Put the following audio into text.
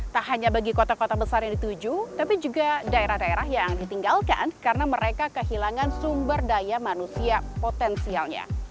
tak hanya bagi kota kota besar yang dituju tapi juga daerah daerah yang ditinggalkan karena mereka kehilangan sumber daya manusia potensialnya